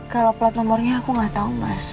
kalau plat nomornya aku nggak tahu mas